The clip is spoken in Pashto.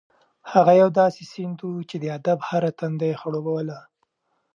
هغه یو داسې سیند و چې د ادب هره تنده یې خړوبوله.